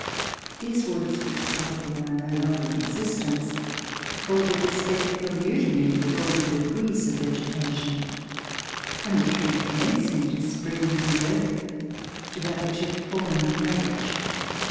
These woods, which probably are no longer in existence, afforded a spectacle new to me, with all the degrees of vegetation, from the tree commencing to spring from the earth, to that which had fallen from age.